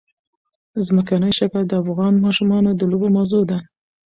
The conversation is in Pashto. ځمکنی شکل د افغان ماشومانو د لوبو موضوع ده.